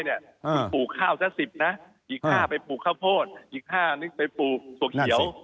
คุณปลูกข้าวซะ๑๐นะอีก๕ไปปลูกข้าวโพดอีก๕นึงไปปลูกถั่วเขียว